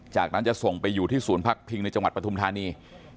จากนั้นจะส่งไปอยู่ที่ศูนย์พักพิงในจังหวัดปฐุมธานี